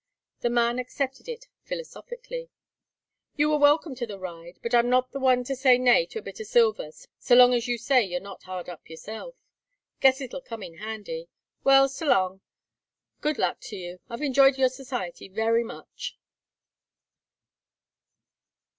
The man accepted it philosophically. "You were welcome to the ride, but I'm not the one to say nay to a bit of silver so long as you say you're not hard up yourself. Guess it'll come in handy. Well, s'long. Good luck to you. I've enjoyed your society very much."